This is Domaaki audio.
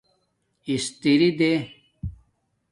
اِستری دے